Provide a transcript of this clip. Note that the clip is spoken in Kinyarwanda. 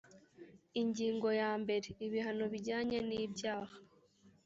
ingingo ya mbere ibihano bijyanye n ibyaha